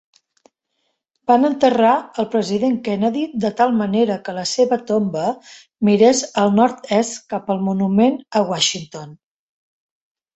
Van enterrar el president Kennedy de tal manera que la seva tomba mirés al nord-est cap al Monument a Washington.